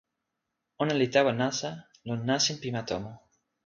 ona li tawa nasa lon nasin pi ma tomo.